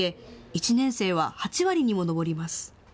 １年生は８割にも上ります。